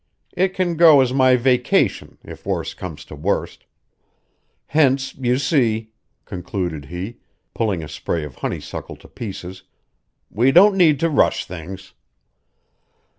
It can go as my vacation, if worst comes to worst. Hence you see," concluded he, pulling a spray of honeysuckle to pieces, "we don't need to rush things."